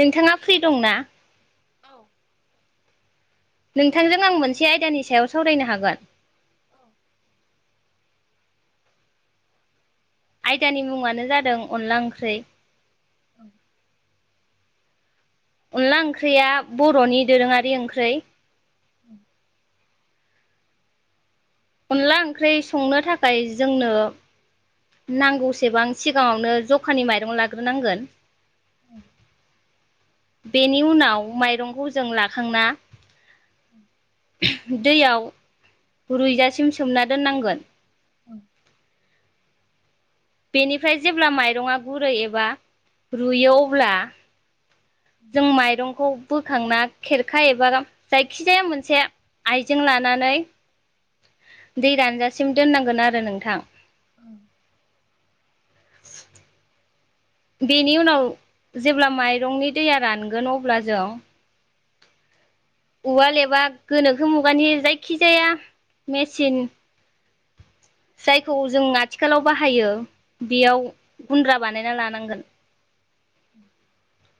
नोंथाङा फ्रि दंना? औ। नोंथांजों आं मोनसे आयदानि सायाव सावरायनो हागोन? औ। आयदानि मुङानो जादों अनला ओंख्रै। औ। अनला ओंख्रिया बरनि दोरोङारि ओंख्रै। उम। अनला ओंख्रै संनो थाखाय जोंनो नांगौसेबां सिगाङावनो जखानि माइरं लाग्रोनांगोन। औ। बेनि उनाव माइरंखौ जों लाखांना उम। दैयाव रुइजासिम सोमना दोननांगोन। बेनिफ्राय जेब्ला माइरङा गुरै एबा रुयो अब्ला जों माइरंखौ बोखांना खेरखा एबा गाम जायखिजाया मोनसे आइजें लानानै दै रानजासिम दोननांगोन आरो नोंथां। औ। [inaudible] बेनि उनाव जेब्ला माइरंनि दैया रानगोन अब्ला जों उवाल एबा गोनोखो मुगानि जायखि जाया मेचिन जायखौ जों आथिखालाव बाहायो बेयाव गुन्द्रा बानायना लानांगोन [inaudible]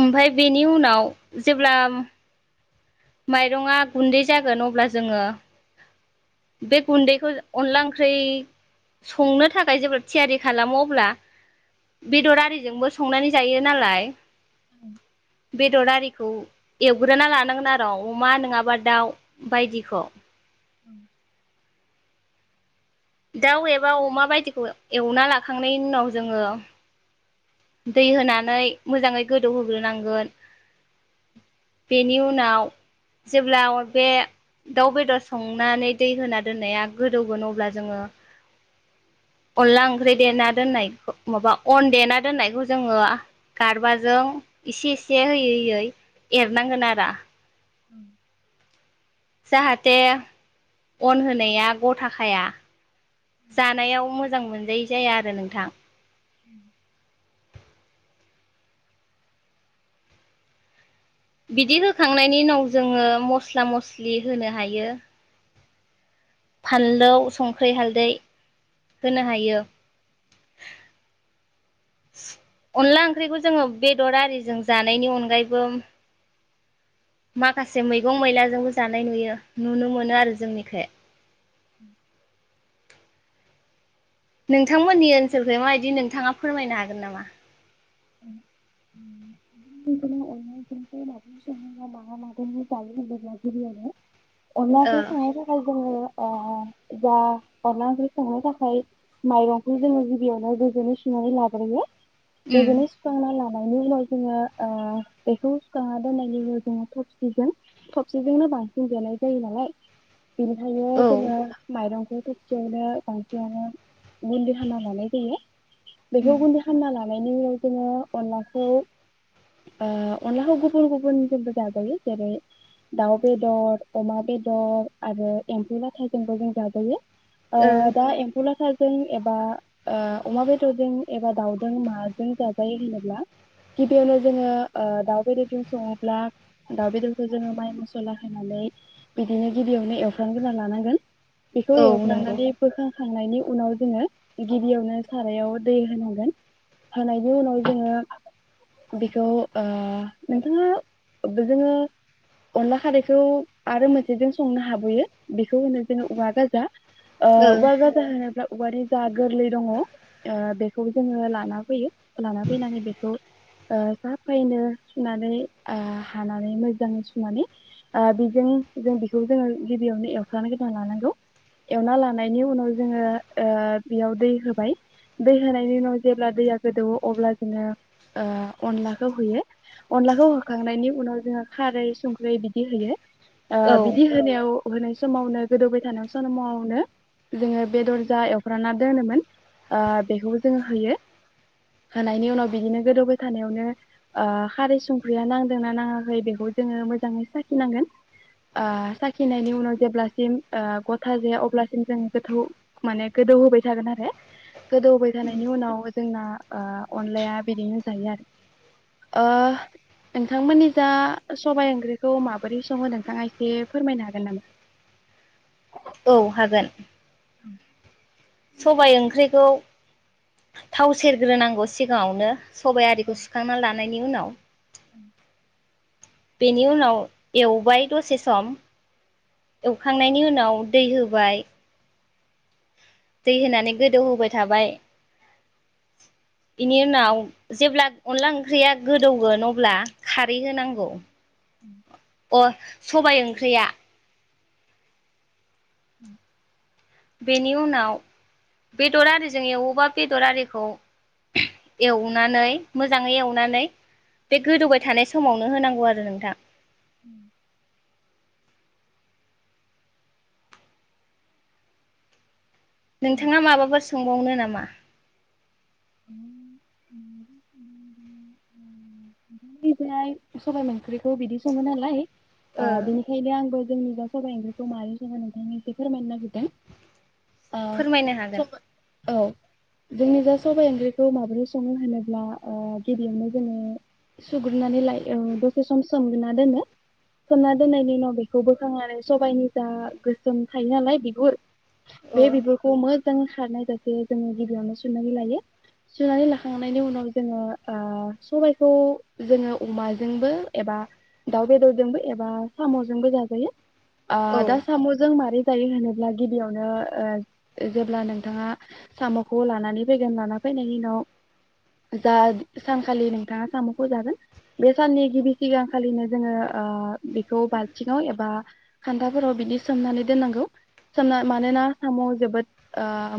ओमफाय बेनि उनाव जेब्ला माइरंङा गुन्दै जागोन अब्ला जोंङो बे गुन्दैखौ अनला ओंख्रि संनो थाखाय जेब्ला थियारि खालामो अब्ला बेदर आरिजोंबो संनानै जायो नालाय ओम बेदर आरिखौ एवग्रोना लानांगोन आ रो अमा नङाबा दाउ बायदिख' ओम दाउ एबा अमा बायदिखौ एवना लाखांनायनि उनाव जोंङो दै होनानै मोजांङै गोदौहोग्रोनांगोन बेनि उनाव जेब्ला बे दाउ बेदर संनानै दै होना दोननाया गोदौगोन अब्ला जोंङो अनला ओंख्रि देना दोननायखौ माबा अन देना दोननायखौ जोंङो गारबाजों एसे एसे होयै होयै एरनांगोन आरो ओम जाहाथे अन होनाया गथा खाया। जानायाव मोजां मोन जायि जाया आरो नोंथां। उम बिदि होखांनायनि उनाव जोङो मस्ला मस्लि होनो हायो फानलौ, संख्रि, हालदै होनो हायो अनला ओंख्रिखौ जोंङो बेदर आरिजों जानायनि अनगायैबो माखासे मैगं मैलाजोंबो जानाय नुयो नुनो मोनो आरो जोंनिखै ओम नोंथांमोननि ओनसोलखै माबायदि नोंथाङा फोरमायनो हागोन नामा? [inaudible] गिबियावनो अनला ओ जों संनो थाखाय जोङो जा अनला ओंख्रि संनो थाखाय माइरंखौ जोंङो गिबियावनो [unintelligible] सुनानै लाग्रोयो ओम सुना लानायनि उनाव जोंङो ओ बेखौ सुखांना दोननायनि उनाव जोंङो थबसिजों थबसिजोंनो बांसिन देनाय जायो नालाय बेनिखायनो औ जोंङो माइरं थबसियावनो बांसिनानो [unintelligible] जायो। बेखौ उम गुन्दै खामना ला नायनि उनाव जोंङो अनलाखौ ओ अनलाखौ गुबुन गुबुनजोंबो जाजायो जेरै दाउ बेदर, अमा बेदर आरो एम्फौ लाथाजोंबो जों जाजायो। ओ अ दा एम्फौ लाथा जों एबा ओ अमा बेदरजों एबा दाउजों माजों जायो होनोब्ला गिबियावनो जोंङो ओ दाउ बेदरजों संङोब्ला दाउ बेदरखौ जोङो माइ मसला होनानै बिदिनो गिबियावनो एवफ्राम ग्रोना लानांगोन बेखौ औ नंगौ एवग्रोनानै बोखांखांनायनि उनाव जोंङो गिबियावनो सारायाव दै होनांगोन होनाय नि उनाव जोंङो बेखौ नोंथाङा जोंङो अनला खारैखौ आरो मोनसेजों संनो हाबोयो बेखौ होनो जोंङो औवा गाजा अ ओ औवा गाजा होनोब्ला औवानि जा गोरलै दङ ओ बेखौ जोंङो लाना फैयो लाना फैनानै बेखौ ओ साफायैनो सुनानै आ हानानै मोजाङै सुनानै आ बेजों जों बेखौ जोङो गिबियावनो एवफ्रामग्रोना लानांगौ एवना लानायनि उनाव जोङो ओ बेयाव दै होबाय दै होनायनि उनाव जेब्ला दैया गोदौवो अब्ला जोङो ओ अनलाखौ होयो अनलाखौ होखांनायनि उनाव जोङो खारै, संख्रि बिदि होयो। औ ओ बिदि होनायाव होनाय समावनो गोदौबाय थानाय समावनो जोङो बेदर जा एवफ्रामना दोनोमोन। ओ बेखौ जोङो होयो होनायनि उनाव बिदिनो गोदौबाय थानायावनो खारै संख्रिया नांदोंना नाङाखै बेखौ जोङो मोजाङै साखिनांगोन। साखिनायनि उनाव जेब्लासिम गथा जाया। अब्लासिम जों गोदौ माने गोदौ होबाय थागोन आरो, गोदौ होबाय थानायनि उनाव जोंना ओ अनलाया बिदिनो जायो आरो। ओ नोंथांमोननि जा सबाय ओंख्रिखौ माबोरै सङो नोंथाङा एसे फोरमायनो हागोन नामा? औ हागोन। औ। सबाय ओंख्रिखौ थाव सेरग्रोनांगौ सिगाङावनो सबाय आरिखौ सुखांनानानै ला लानायनि उनाव [inaudible] बेनि उनाव एवबाय दसे सम, एवखांनायनि उनाव दै होबाय दै होनानै गोदौहोबाय थाबाय। बेनि उनाव जेब्ला अनला ओंख्रिया गोदौगोन अब्ला खारै होनांगौ। [inaudible] अ सबाय ओंख्रिया [inaudible] बेनि उनाव बेदर आरिजों एवोबा बेदर आरिखौ एवनानै मोजाङै एवनानै बे गोदौबाय थानाय समावनो होनांगौ आरो नोंथां। [inaudible] नोंथाङा माबाबा सोंबावनो नामा? मा? [inaudible] बिनिफ्राय सबाय ओंख्रिखौ बिदि सङो नालाय ओ बिनिखायनो आंबो जोंनि जा सबाइ ओंख्रिखौ मादि सङो नोंथांनो एसे फोरमायनो नागिरदों। ओ फोरमायनो हागोन। सब औ जोंनि जा सबाय ओंख्रिखौ माबोरै सङो होनोब्ला ओ गिबियावनो जोङो सुग्रोनानै लायो दसे सम सोमगना दोनो। सोमना दोननायनि उनाव बेखौ बोखांनानै सबायाइनि जा गोसोम थायो नालाय बिगुर बे ओ बिगुरखौ मो मोजां खारनाय जासे जोङो गिबियावनो सुनानै लायो। सुनानै लाखांनायनि उनाव जोङो ओ सबायखौ जोङो अमाजोंबो एबा दाउ बेदरजोंबो एबा सामजोंबो जाजायो। ओ औ दा सामजों मारै जायो होनोब्ला गिबियावनो जेब्ला नोंथाङा सामखौ लानानै फैगोन। लाना फैनायनि उनाव जा सानखालि नोंथाङा सामखौ जागोन बे साननि गिबि सिगांखालिनो जोङो ओ बेखौ बाल्थिङाव एबा खान्थाफोराव बिदि सोमनानै दोननांगौ। सोमना मानोना सामाव जोबोद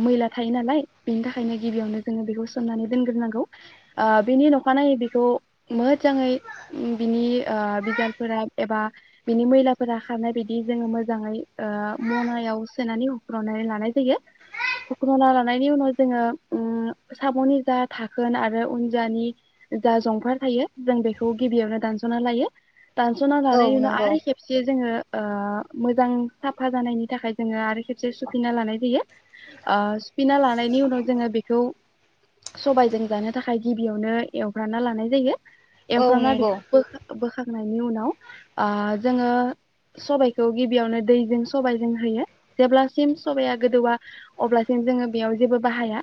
मैला थायो नालाय बेनि थाखायनो गिबियावनो जोङो बेखौ सोमनानै दोनग्रोनांगौ। बेनि अखानायै बेखौ मोजाङै बिनि बिजालफोरा एबा बिनि मैलाफोरा खारनाय बायदि जोङो मोजाङै मनायाव सोनानै हुख्रनानै लानाय जायो। हुख्रना लानायनि उनाव जोङो सामनि जा धाखोन आरो उनजानि जा जंफार थायो जों बेखौ गिबियावनो दानजना लायो। दानसना औ लानाय उनाव नंगौ आरो खेबसे जोङो ओ मोजां साफा जानायनि थाखाय जोङो आरो खेबसे सुफिनना लानाय जायो। सुफिनना लानायनि उनाव जोङो बेखौ सबायजों जानो थाखाय गिबियावनो एवफ्रामना लानाय जायो। औ एवफ्रामना नंगौ बेखौ बोखांना नि उनाव ओ जोङो सबाइखौ गिबियावनो दैजों सबाइजों होयो जेब्लासिम सबाया गोदौवा अब्लासिम जोङो बेयाव जेबो बाहाया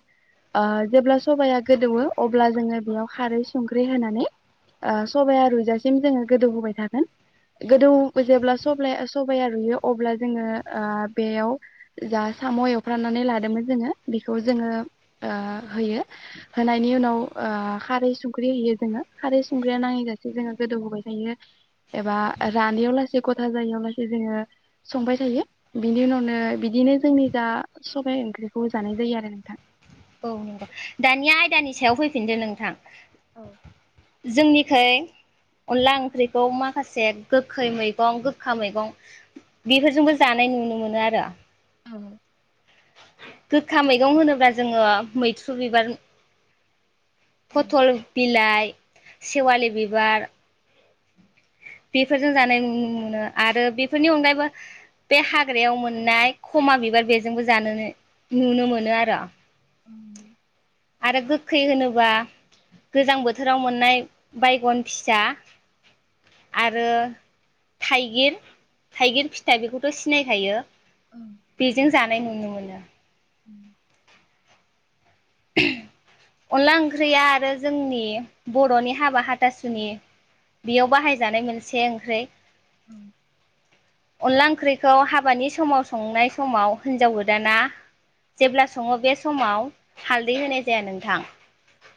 ओ जेब्ला सबाया गोदौयो अब्ला जोङो बेयाव खारै संख्रि होनानै ओ सबाया रुजासिम जोङो गोदौ होबाय थागोन गोदौ जेब्ला सबाया सबाया रुयो अब्ला जोङो ओ बेयाव जा साम' एवफ्रनानै लादोंमोन जोङो बेखौ जोङो ओ होयो। होनायनि उनाव ओ खारै संख्रि होयो जोङो खारै संग्राया नाङैजासे जोङो गोदौहोबाय थायो एबा रानैयाव लासै गथा जायैयाव लासै जोङो संबाय थायो बिनि उनावनो बिदिनो जोंनि जा सबाय ओंख्रिखौ जानाय जायो आरो नोंथां। औ नंगौ दानिया आयदानि सायाव फैफिनदो नोंथां। औ जोंनिखै अनला ओंख्रिखौ माखासे गोखै मैगं गोखा मैगं बेफोरजोंबो जानाय नुनो मोनो आरो। औ गोखा मैगं होनोब्ला जोङो मैथ्रु बिबार फथल बिलाइ बे सेवालि बिबार बेफोरजों जानाय नुनो मोनो आरो बेफोरनि अनगायैबो बे हाग्रायाव मोननाय खमा बिबार बेजोंबो जानो नुनो मोनो आरो। आरो गोखै होनोबा गोजां बोथोराव मोननाय बायगन फिसा। आरो थाइगिर थाइगिर फिथा बेखौथ' सिनायखायो। बेजों जानाय नुनो मोनो। दा [inaudible] अनला ओंख्रिया आरो जोंनि बर'नि हाबा हाथासुनि बेयाव बाहायजानाय मोनसे ओंख्रि। औ अनला ओंख्रिखौ हाबानि समाव संनाय समाव हिनजाव गोदाना जेब्ला सङो बे समाव। हालदै होनाय जाया नोंथां।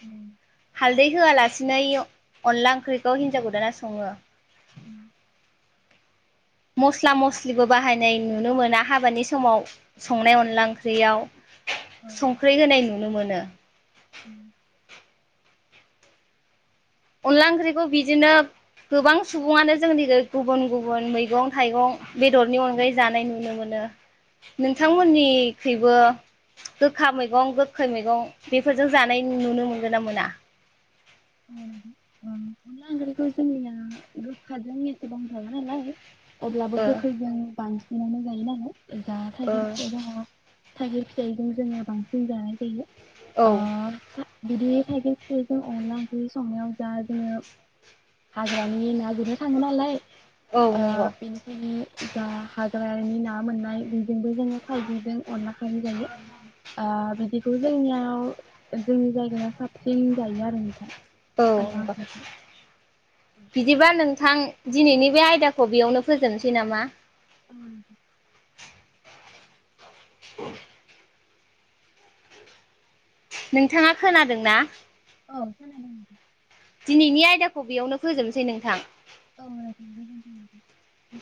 उम हालदै होआलासिनो अनला ओंख्रिखौ हिनजाव गोदाना सङो। उम मस्ला मस्लिबो बाहायनाय नुनो मोना हाबानि समाव संनाय अनला ओंख्रियाव संख्रि होनाय नुनो मोनो। उम अनला ओंख्रिखौ बिदिनो गोबां सुबुङानो जोंनि गुबुन गुबुन मैगं थाइगं बेदरनि अनगायै जानाय नुनो मोनो। नोंथांमोननिखैबो गोखा मैगं गोखै मैगं बेफोरजों जानाय नुनो मोनगोन ना मोना? नंगौ ओं अनला ओंख्रिखौ जोंनिया गोखाजों एसेबां जाया नालाय। अब्लाबो ओ गोखैजों बां बिनावनो जायो नालाय। जा ओ थाइगिर फिथाइ दङ। थाइगिर फिथायजों जोङो बांसिन जानाय जायो। औ ओ बिदि थागिर फिथाइजों अनला ओंख्रि संनायाव जा जोङो हाग्रानि ना गुरनो थाङो नालाय। औ आ नंगौ बेनिखायनो जा हाजा ओ नि-ना मोननाय। बो जोङो थाइगिजों अनला खानाय जायो आ बेखौ जोंनियाव जोंनि जायगाया साबसिन जायो आरो नोंथां। औ अनला नंगौ ओंख्रिखौ बिदिबा नोंथां दिनैनि बे आयदाखौ बेयावनो फोजोबनोसै नामा [unintelligible] [inaudible] [unintelligible] नोंथाङा खोनादोंना? औ दिनैनि आयदाखौ बेयावनो फोजोबनोसै नोंथां। औ